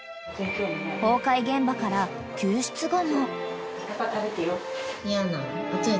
［崩壊現場から救出後も］